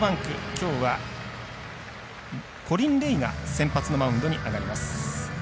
きょうはコリン・レイが先発のマウンドに上がります。